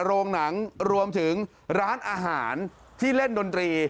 โรงหนังรวมถึงร้านอาหารที่เล่นดนตรี